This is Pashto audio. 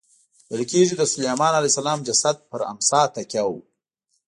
ویل کېږي د سلیمان علیه السلام جسد پر امسا تکیه و.